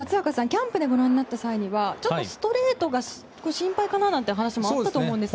松坂さんキャンプでご覧になった際はストレートが少し心配かなという話もあったと思うんですが。